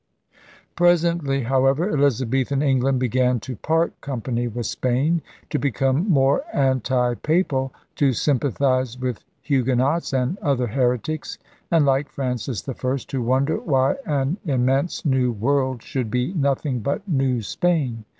Presently, however, Elizabethan England began to part company with Spain, to become more anti Papal, to sympathize with Huguenots and other heretics, and, like Francis I, to wonder why an immense new world should be nothing but New Spain.